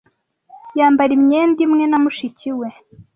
Yambara imyenda imwe na mushiki we.